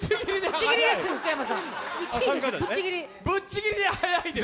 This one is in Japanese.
ぶっちぎりで早いです。